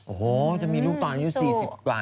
โอ้โหจะมีลูกตอนอายุ๔๐กว่า